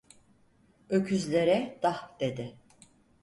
Öküzlere "dah!" dedi.